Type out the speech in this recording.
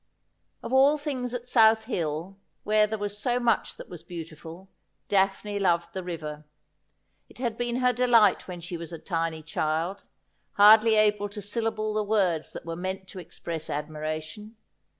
Of all things at South Hill, where there was so much that was beautiful, Daphne loved the river. It had been her delight when she was a tiny child, hardly able to syllable the words that were meant to express admiration.